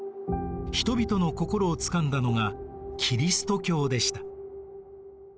人々の心をつかんだのがキリスト教でした。